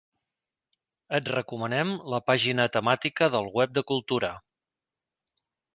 Et recomanem la pàgina temàtica del web de Cultura.